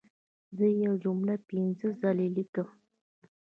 زه یوه جمله پنځه ځله لیکم.